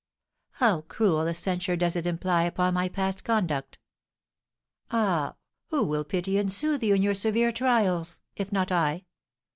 How cruel a censure does it imply upon my past conduct! Ah, who will pity and soothe you in your severe trials, if not I?